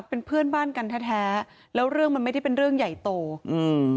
เป็นเพื่อนบ้านกันแท้แท้แล้วเรื่องมันไม่ได้เป็นเรื่องใหญ่โตอืม